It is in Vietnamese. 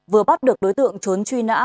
vừa bắt được đối tượng trốn truy nã